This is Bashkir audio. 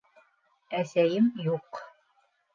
Әсәйем юҡ.